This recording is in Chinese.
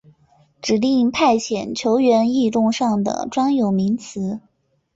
指定派遣球员异动上的专有名词。